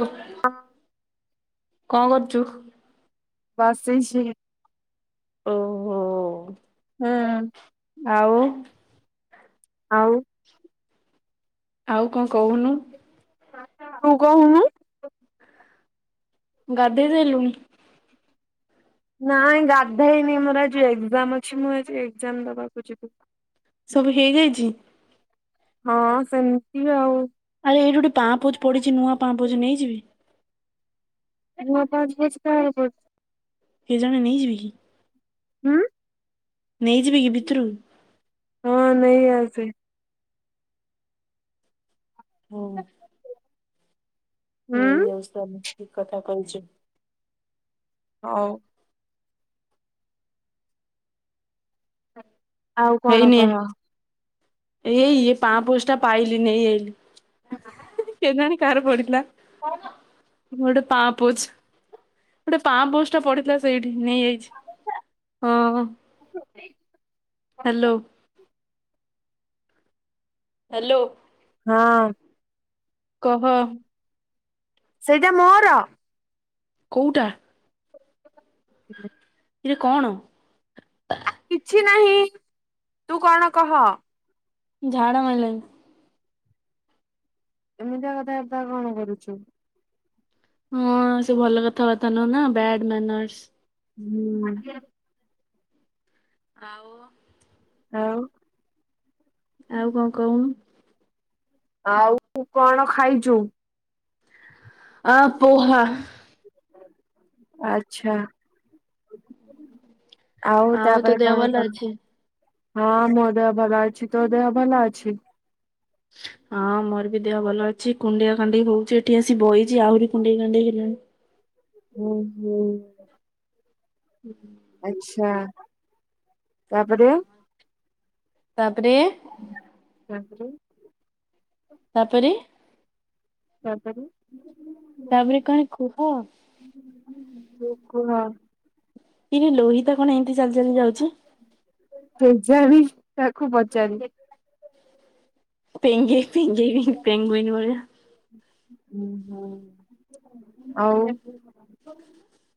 [unintelligible] କଣ କରୁଚୁ। ବସିଛି। ଓ ହୋ। ହୁଁ। ଆଉ। ଆଉ। ଆଉ କଣ କହୁନୁ। [unintelligible] ତୁ କହୁନୁ। ଗାଧେଇ ସାଇଲୁଣି। ନାଇଁ ଗାଧେଇନି ମୋର ଆଜି ଏକ୍ଜାମ ଅଛି, ମୁଁ ଆଜି ଏକ୍ଜାମ ଦବାକୁ ଯିବି। ସବୁ ହେଇଯାଇଛି। ହଁ ସେମିତି ଆଉ। ଆରେ ଏଇଠି ଗୋଟେ ପାପୋଛ୍ ପଡିଛି ନୂଆ ପାପୋଛ୍ ନେଇଯିବି। ନୂଆ ପାପୋଚ୍ଛଟା କାହାର ପଡିଚି ଏ ଜଣେ ନେଇଯିବି କି। ହୁଁ। ନେଇଯିବକି ଭିତରୁକୁ। ସେ ହଁ। ହୁଁ ନେଇଆସ ତାଲେ। କି କଥା କଉଚୁ। ହଉ। ଆଉ କଣ ହେଇନି କହ। ଏଇ ଇଏ ପାଁପୋଛ୍ ଟା ପାଇଲି ନେଇ ଆଇଲି, [unintelligible] କେଜାଣି କାହାର ପଡିଥିଲାା ମୁଁ ଗୋଟେ ପାଁପୋଛ୍। ଗୋଟେ ପାଁପୋଛ୍ ଟା ପଡିଥିଲା ସେଇଠି, ନେଇଆଇଛି ହଁଅଁ। [inaudible] ହାଲୋ। ହାଲୋ। ହଁ। କହ। ସେଇଟା ମୋର। କୋଉଟା [inaudible] ଇଏ କଣ? କିଛି ନାହିଁ ତୁ କଣ କହ। ଝାଡ଼ା ମାଇଲାଣି। ଏମିତିଆ କଥାବାର୍ତ୍ତା କଣ କରୁଛି? ହଁ ସେ ଭଲ କଥାବାର୍ତ୍ତା ନୁହଁ ନା ବାଡ୍ ମାନର୍ସ। ହୁଁ। ଆଉ ଆଉ ଆଉ କଣ କହୁ ଆଉ ତୁ କଣ ଖାଇଛୁ? ଆ ପୋହା ଆଚ୍ଛା। ଆଉ ତୋ ତାପରେ ଦେହ କଣ ଭଲ କହ? ଅଛି? ହଁ ମୋ ଦେହ ଭଲ ଅଛି ତୋ ଦେହ ଭଲ ଅଛି? ହଁ ମୋର ବି ଦେହ ଭଲ ଅଛି କୁଣ୍ଡିଆ କାଣ୍ଡି ହଉଛି ଏଠି ଆସି ବଇଛି ଆହୁରି କୁଣ୍ଡେଇ କାଣ୍ଡେଇ ହେଲିଣି ଉଁ ହୁଁ। [inaudible] ଆଛା ତା ପରେ ତାପରେ ତାପରେ ତାପରେ ତାପରେ ତାପରେ କଣ କୁହ? କୁହ? କିରେ ଲୋହିତା କଣ ଏମିତି ଚାଲି ଚାଲି ଯାଉଛି? କେଯାଣି ତାକୁ ପଚାରିନି ପେଙ୍ଗେଇ ପେଙ୍ଗେଇ ହିଁ ପେଙ୍ଗ୍ବିନ ଭଳିଆ ହଁ ହଁ ଆଉ [inaudible]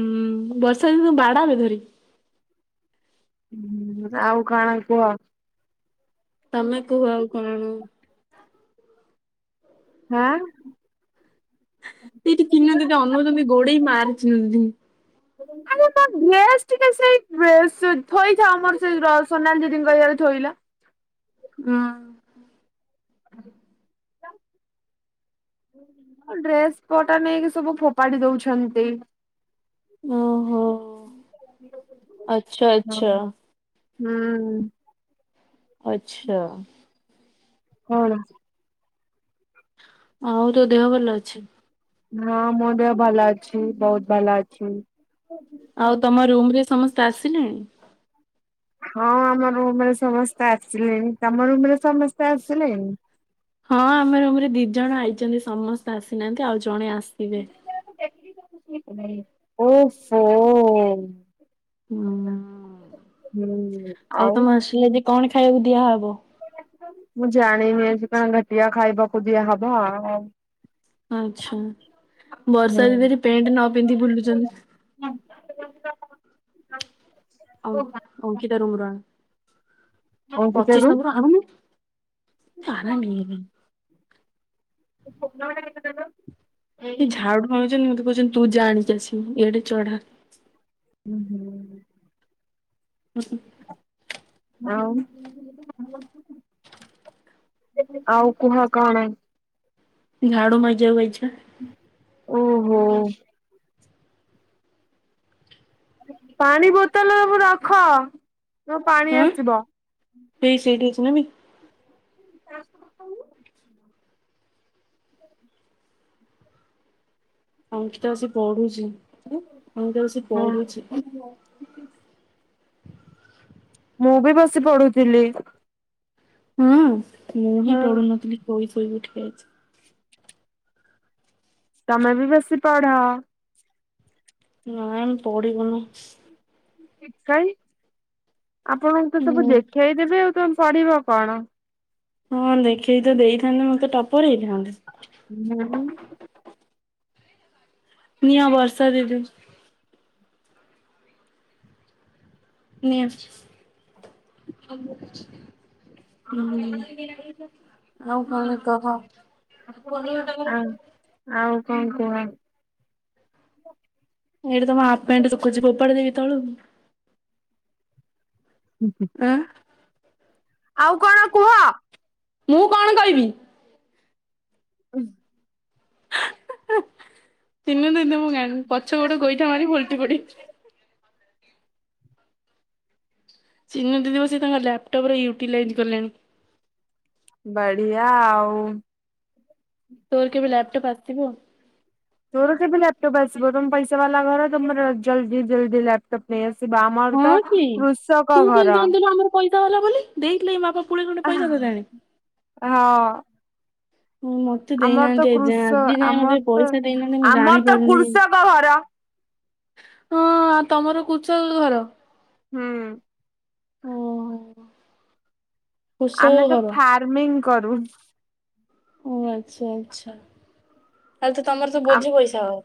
ହୁଁ ବର୍ଷା ଦିନ କୁ ବାଡ଼େବେ ଧରିକି ହଁ ଆଉ କାଣା କୁହ? ତମେ କୁହ ଆଉ କଣ? ହାଁ। ସେଇଟି ତିନ ଯୋଦି ଅନୋଉଚନ୍ତି ଗୋଡ଼େଇ ମାରି ଦିଅନ୍ତି ଆମର ତ ଡ୍ରେସ୍ ଟିକେ ସେ ଡ୍ରେସ୍ ସେଇ ଥୋଇଥାଓ ଆମର ସେଇ ର ସୋନାଲି ଦିଦିଙ୍କ ୟେ ରେ ଥୋଇଲ। ହୁଁ। ଡ୍ରେସ୍ ପଟା ନେଇକି ସବୁ ଫୋପାଡି ଦଉଛନ୍ତି। ଓ ହୋ ଆଛା ହଁ। ଆଚ୍ଛା। ହୁଁ। ଆଚ୍ଛା। କଣ? ଆଉ ତ ଦେହ ଭଲ ଅଛି? ହଁ ମୋ ଦେହ ଭଲ ଅଛି ବହୁତ ଭଲ ଅଛି। ଆଉ ତମ ରୁମ୍ ରେ ସମ ଆସିଲେଣି ହଁ ଆମ ରୁମ୍ ରେ ସମସ୍ତେ ଆସିଲେଣି। ତମ ରୁମ୍ ରେ ସମସ୍ତେ ଆସିଲେଣି। ହଁ ଆମ ରୁମ୍ ରେ ଦି ଜଣ ଆଇଛନ୍ତି। ସମସ୍ତେ ଆସିନାହାନ୍ତି ଆଉ ଜଣେ ଆସିବେ। ଓ ହୋ। ହୁଁ। ହୁଁ ତମ ଆଉ। ହଷ୍ଟେଲ ଆଜି କଣ ଖାଇବାକୁ ଦିଆହବ। ମୁଁ ଜାଣିନି ସେ କଣ ଘାଟିଆ ଖାଇବାକୁ ଦିଆହବ। ଆଚ୍ଛା। ବର୍ଷା ହୁଁ ଦିଦି ଏଠି ପେଣ୍ଟେ ନ ପିନ୍ଧି ବୁଲୁଛନ୍ତି। ଆଉ ଅଙ୍କିତା ରୁମ୍ ରୁ ଆଣେ। ପଚିଶ୍ ଅଙ୍କିତାରୁ ନମ୍ବର ଆଣୁନୁ। ଜା ନି। [inaudible] [unintelligible] ସେ ଝାଡୁ ଭାଣୁଛନ୍ତି ମତେ କହୁଛନ୍ତି ତୁ ଜାଣି ଚା ଆସିବୁ। ଇଆଡେ ଚଢା। ହୁଁ ହୁଁ। [unintelligible] ଆଉ ଆଉ କୁହ କଣ। ଝାଡୁ ମାଗିବାକୁ ଆଇଛି। ହୁଁ। [inaudible] ଓହୋ। ପାଣି ବୋତଲ ସବୁ ରଖ। ତ ପାଣି ଆସିବ। ଶନମୀ। କଥା ହ। [inaudible] ଅଙ୍କିତା ଆସି ପଢୁଛି। ଅମିତା ବସି ହଁ। ପଢୁଛି। ମୁଁ ବି ବସି ପଢୁଥିଲି। ହୁଁ। ମୁଁ ହିଁ ହଁ। ପଢୁନଥିଲି ପଇ ଫୁ ଉଠିବଜ। [inaudible] ତମେ ବି ବେଶୀ ପଢ। ନାଇମ ପଢିବୁନୁ। ଏ କାଇଁ। ଆପଣଙ୍କୁ ତ ସବୁ ହୁଁ ଦେଖେଇ ଦେବେ ଆଉ ତ କରିବ କଣ? ହଁ ଦେଖେଇ ତ ଦେଇଥାନ୍ତେ ମତେ ଟପରେ ହୁଁ। ନିଆ ବର୍ଷା ଦିଦି ନେଇ ଆସୁଛି ହଁ। ଆଉ କଣ କହ? ଆ ଆଉ କଣ କୁହ? ଏଇଠି ତମ ହାଫ୍ ପ୍ୟାଣ୍ଟ୍ ଶୁଖୁଛି ଫୋପାଡ଼ି ଦେବି ତଳକୁ। ଆଁ ଆଉ କଣ କୁହ? ମୁଁ କଣ କହିବି? ହଁ ତିନ ଦିନ ତୁମ ଗାନଣ୍ଡ୍ ପଛକୁ ଗୋଟେ ଗୋଇଠା ମାରିବି ଓଲଟି ପଡି ଚିନୁ ଦିିଦି ବସିକି ତାଙ୍କ ଲାପଟପ ରେ ୟୁଟିଲାଇଜ କଲେଣି। ବଢିଆ ଆଉ। ତୋର କେବେ ଲାପଟାପ ଆସ୍ ସିବ ତୋର କେବେ ଲାପଟପ୍ ଆସିବ। ତମ ପଇସା ବାଲା ଘର ତମର ଜଲ ଜଲଦି ଜଲଦି ଲାପଟପ୍ ନେଇ ଆସ୍ ଆସିବ ଆମର ହଁ ତ କୃଷକ ଘର। ଇସା ବାଲା ବୋଲି ଦେଇଥିଲେ କି ମା ବାପା ପୁଳେ ଖଣ୍ଡେ ପଇସା ହଁ ଦେଲାଣି। ହଁ। ହୁଁ, ମତେ ଆମର ତ ଦେଇନାହାନ୍ତି ଏଯାଏଁ କୃଷ ଆଜି ଯାଏଁ ମତେ ଆମର ତ ପଇସା ଦେଇନାହାନ୍ତି ମୁଁ ଆମର ତ ଜାଣିପାରୁନି। କୃଷକ ଘର। ହଁ ଆଉ ତମର କୁଷକ ଘର? ହୁଁ। ଓ ହୋ। ଆମେ ତ ଫାର୍ମିଂ କରୁ। ଓ ଆଚ୍ଛା ଆଚ୍ଛା। ତାହେଲେ ତ ତମର ତ ଆ ବୋଝେ ପଇସା ହବ।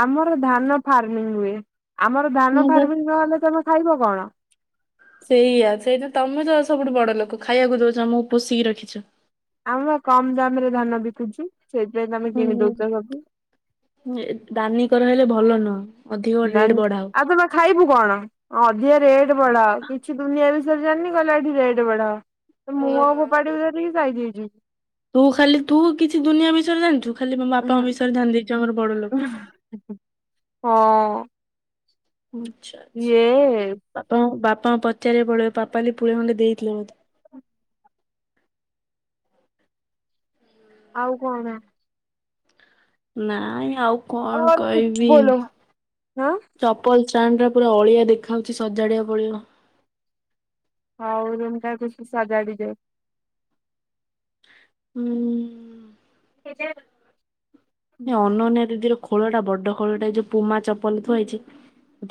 ଆମର ଧାନ ଫାର୍ମ। ହୁଁ ହୁଏ। ଆମର ଧାନ ମୁଁ ତ ଫାର୍ମିଂ ନହେଲେ ତମେ ଖାଇବ କଣ? ସେଇଆ ସେଇଟା ତମେ ତ ସବୁଠୁ ବଡ ଲୋକ ଖାଇବାକୁ ଦଉଛ ଆମକୁ ପୋଷିକି ରଖିଛ। ଆମେ ବା କମ୍ ଦାମରେ ଧାନ ବିକୁଛୁ। ସେଇଥିପାଇଁ ତମେ ହୁଁ କିଣି ହୁଁ ଦଉଛ ସବୁ। ନ ଦାନି କରଣ ହେଲେ ଭଲ ନୁ ହଁ ବନ୍ଦ ଆଉ ତମେ ଖାଇବୁ କଣ ଅଧିକ ରେଟ୍ ଟ ବଢାଅ କିଛି ଦୁନିଆ ବିଷୟରେ ଜାଣିନି କହିଲା ଏଠି ରେଟ୍ ବଢାଅ। ତ ମୁଁ ହଁ। ଆଉ ଫୋପାଡି ଭରେିକି ଯାଇ ପାଇଯାଇଛି। ହୁଁ ତୁ ଖାଲି ତୁ କିଛି ଦୁନିଆ ବିଷୟରେ ଜାଣିଛୁ? ଖାଲି ମୋ ବାପାଙ୍କ ବିଷରେ ଧ୍ୟାନ ଦେଇଛି ଆମର ବଡ ଲୋକ ଁ ଆଚ୍ଛା ଆଚ୍ଛା ବାପା ବା ହଁ ପଚାରିବା ପପାଲି ପୁଳି ଖଣ୍ଡେ ଦେଇଥିଲେ ମତେ ଆଉ କଣ? ନାଇଁ ଆଉ କଣ କହିବି ଚପଲ ଷ୍ଟାଣ୍ଡ ପୁରା ଅଳିଆ ଦେଖାଉଛି ସଜାଡଆ ପଡିବ। ହଉ ଓ ରୁମ୍ ଟା କୁ ସାଗାଡ଼ି ଦିଅ। ହୁଁ ସେତେ ଅନନ୍ୟା ଦିଦି ର ଖୋଳଟା ବଡ ଖୋଳଟା ଏଇ ଯୋଉ ପୁମା ଚପଲ ଥ ହେଇଛି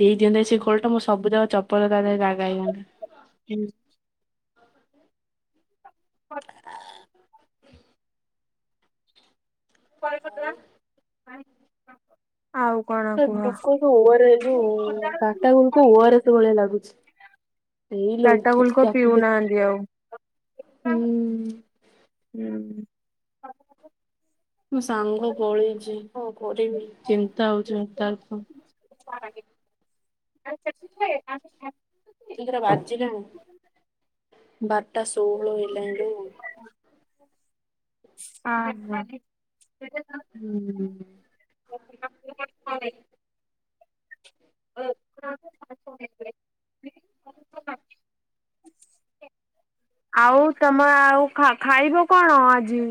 ଦେଇ ଦିଅନ୍ତେ ସେ ଖୋଳଟା ମୋ ସବୁ ଯା ଚପଲ ତା ଦେହରେ ଜାଗା ହେଇନ୍ତା। [unintelligible] [inaudible] [unintelligible] କୁହ ଗ୍ଲୁକୋଜ ଓର ଯୋଉଟ ଟାଟା ଗୁ ଓରସ୍ ଭଳିଆ ଲାଗୁଛି। ଏଇ ଲୋ ଟାଟା ଗୁଲକ ତାକୁ ଦେଖି ପିଉନାହାନ୍ତି ଆଉ ହୁଁ। ହୁଁ। [inaudible] ମୁଁ ସାଙ୍ଗ ପଳେଇଛି ହଁ କରିବି ଚିନ୍ତା ହଉଛି ତାର [unintelligible] କେତିଟା ବାଜିଲାଣି ବାରଟା ଷୋହଳ ହେଲାଣିଲୋ। ହଁ ହୁଁ [unintelligible] ଆଉ ତମ ଆଉ ଖାଇବ କଣ ଆଜି?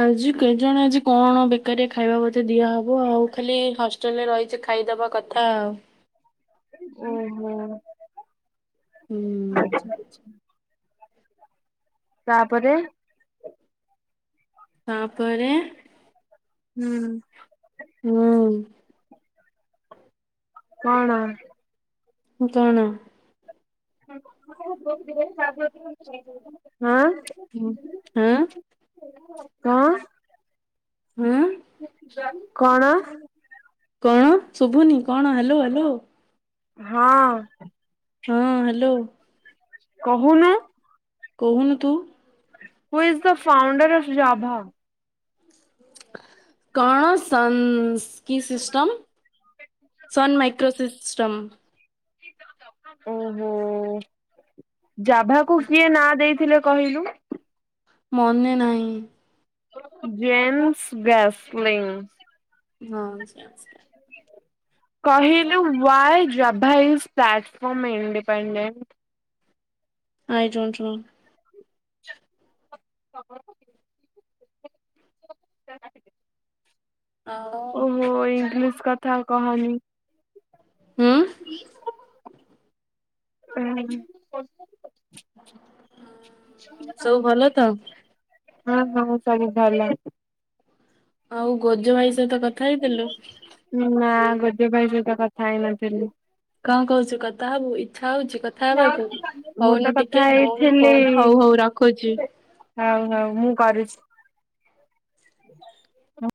ଆଜି ଜଣେ ଆଜି କଣ ବେକାରୀ ଖାଇବା ବୋେ ଦିଆହବ ଆଉ ଖାଲି ହଷ୍ଟେଲରେ ରହିଛି ଖାଇଦବା କଥା ଆଉ। ଓହୋ ହୁଁ ଆଚ୍ଛା ଆଚ୍ଛା ତାପରେ ତାପରେ ହୁଁ ହୁଁ କଣ? ଉ କଣ? [inaudible] ହ ହଁ କ ଅ ହଁ କଣ କଣ ଶୁଭୁନି କଣ ହ୍ୟାଲୋ ହ୍ୟାଲୋ। ହଁ ହଁ ହ୍ୟାଲୋ କହୁନୁ। କହୁନୁ ତୁ who is the founder of Java? କଣ ସଂ ସ୍ କି ସିଷ୍ଟମ୍ ସନ୍ ମାଇକ୍ରୋସିିଷ୍ଟ। ଷ୍ଟମ୍, ଓହୋ ଜାଭା କୁ କିଏ ନାଁ ଦେଇଥିଲେ କହିଲୁ? ମନେ ନାହିଁ। ଜେମ୍ସ ଗ୍ୟାସ୍ମିଇଂ ହଁ କହିଲୁ why Java is platform independent. I don't know ଖବର କଣ? [unintelligible] ଆଉ ଓହୋ ଇଂଲିଶ, କଥା କହନି। ହୁଁ ସବୁ ଭଲ ତ ହଁ ହଁ ସବୁ ଭଲ। ଆଉ ଗୋଜ ଭାଇସ୍ ତୁ ତ କଥା ହେଇଥିଲୁ। ଗୋଜ ଭାଇ ସହିତ କଥା ହେଇନଥିଲି। କଣ କହୁଛୁ କଥା ହବୁ ଇଛା ହଉଛି କଥା ହବାକୁ ମୁଁ ତ ହଉନ କଥା ଟିକେ ନଉନ ହେଇଥିଲି। ଫୋନ ହଉ ହଉ ରଖୁଛି। ହଉ ହଉ ମୁଁ କରୁଛି।